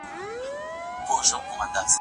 او ناهیلي لکه په هره لویشت کې ناسته ناوې.